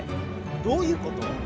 どういうこと？